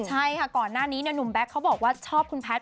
ใช่ค่ะก่อนหน้านี้หนุ่มแก๊กเขาบอกว่าชอบคุณแพทย์